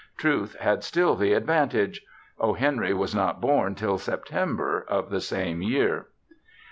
Truth had still the advantage. O. Henry was not born till September of the same year.